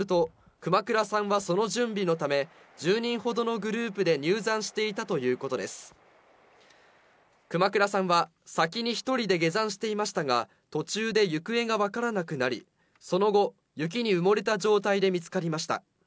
熊倉さんは先に１人で下山していましたが、途中で行方が分からなくなり、その後、雪に埋もれた状態で見つかりました。